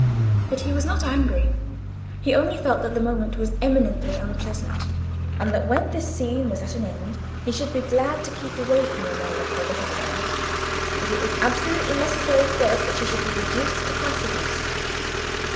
But he was not angry; he only felt that the moment was eminently unpleasant, and that when this scene was at an end he should be glad to keep away from Romola for a little while. But it was absolutely necessary first that she should be reduced to passiveness.